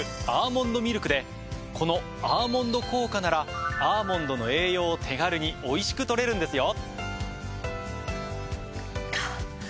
この「アーモンド効果」ならアーモンドの栄養を手軽においしく取れるんですよ。